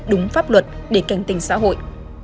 đúng pháp luật để canh tình xã hội